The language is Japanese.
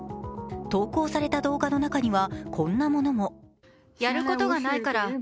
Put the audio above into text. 投稿された動画の中には、こんなものも。